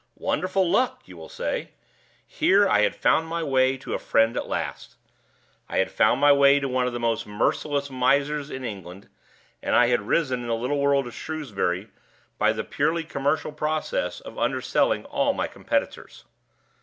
Wonderful luck! you will say; here I had found my way to a friend at last. I had found my way to one of the most merciless misers in England; and I had risen in the little world of Shrewsbury by the purely commercial process of underselling all my competitors.